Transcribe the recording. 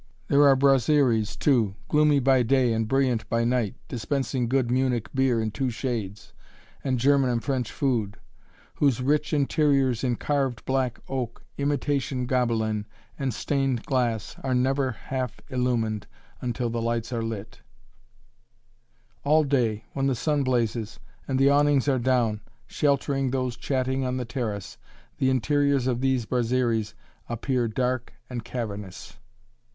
There are brasseries too, gloomy by day and brilliant by night (dispensing good Munich beer in two shades, and German and French food), whose rich interiors in carved black oak, imitation gobelin, and stained glass are never half illumined until the lights are lit. [Illustration: A "TYPE"] All day, when the sun blazes, and the awnings are down, sheltering those chatting on the terrace, the interiors of these brasseries appear dark and cavernous.